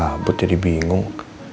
gak buat jadi bingung